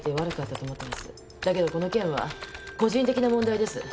だけどこの件は個人的な問題です。